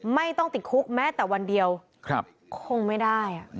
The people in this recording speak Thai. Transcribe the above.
ไม่ต้องติดคุกแม้แต่วันเดียวคงไม่ได้